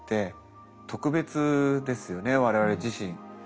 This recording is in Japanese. ですよね我々自身。